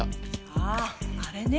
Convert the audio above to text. あああれね。